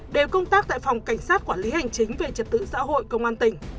đều công tác tại phòng cảnh sát quản lý hành chính về trật tự xã hội công an tỉnh